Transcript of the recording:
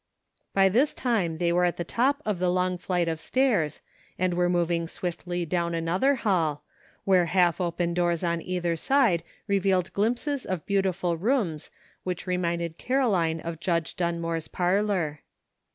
By this time they were at the top of the long flight of stairs, and were moving swiftly down another hall, where half open doors on either side revealed glimpses of beautiful rooms which reminded Caroline of Judge Dunmore's parlor.